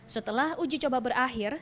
setelah uji coba berakhir